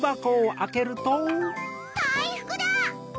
だいふくだ！